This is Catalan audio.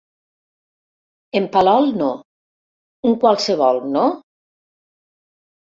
En Palol no; un qualsevol, no?